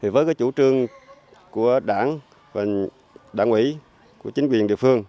với chủ trương của đảng và đảng quỹ của chính quyền địa phương